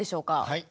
はい。